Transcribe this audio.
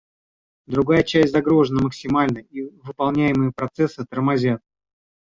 Другая часть загружена максимально и выполняемые процессы «тормозят»